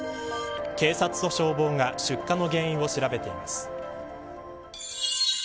警察と消防が出火の原因を調べています。